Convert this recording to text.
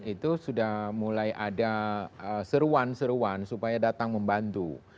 itu sudah mulai ada seruan seruan supaya datang membantu